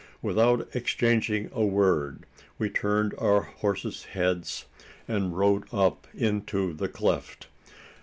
Without exchanging a word, we turned our horses' heads, and rode up into the cleft.